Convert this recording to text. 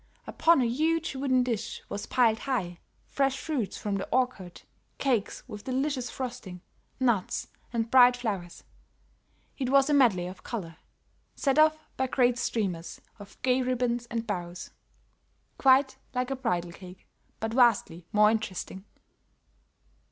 Upon a huge wooden dish was piled high fresh fruits from the orchard, cakes with delicious frosting, nuts and bright flowers. It was a medley of color, set off by great streamers of gay ribbons and bows; quite like a bridal cake, but vastly more interesting.